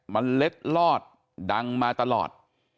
มันเล็ดลอดดังมาตลอด